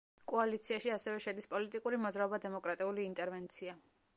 კოალიციაში ასევე შედის პოლიტიკური მოძრაობა დემოკრატიული ინტერვენცია.